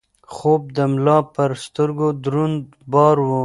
خوب د ملا پر سترګو دروند بار و.